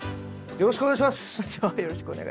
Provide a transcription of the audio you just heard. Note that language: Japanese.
よろしくお願いします。